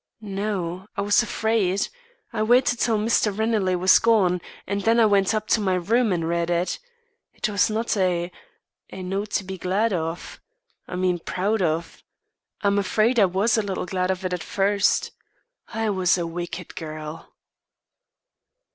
"No, I was afraid. I waited till Mr. Ranelagh was gone; then I went up to my room and read it. It was not a a note to be glad of. I mean, proud of. I'm afraid I was a little glad of it at first. I was a wicked girl."